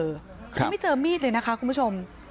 คือไม่เจอมีดเลยนะคะคุณผู้ชม